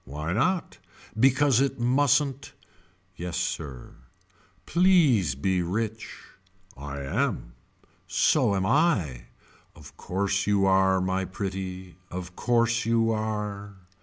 Why not. Because it mustn't. Yes sir. Please be rich. I am. So am I. Of course you are my pretty. Of course you are.